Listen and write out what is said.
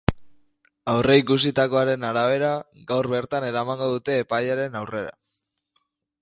Aurreikusitakoaren arabera, gaur bertan eramango dute epailearen aurrera.